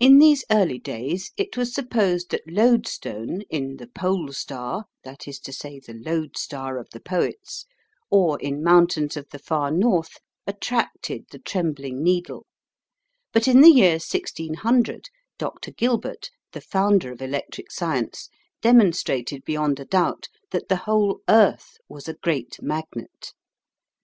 In these early days it was supposed that lodestone in the pole star, that is to say, the "lodestar" of the poets or in mountains of the far north, attracted the trembling needle; but in the year 1600, Dr. Gilbert, the founder of electric science, demonstrated beyond a doubt that the whole earth was a great magnet.